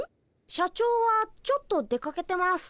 社長はちょっと出かけてます。